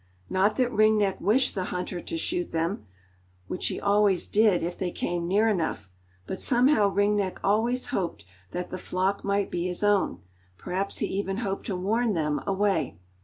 Not that Ring Neck wished the hunter to shoot them, which he always did if they came near enough. But somehow Ring Neck always hoped that the flock might be his own; perhaps he even hoped to warn them away.